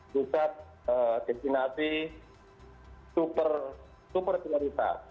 wisata destinasi super super kinerja